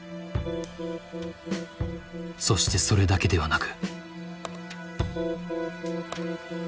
そしてそれだけではなく。